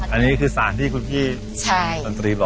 อันนี้คือสารที่คุณพี่ดนตรีบอก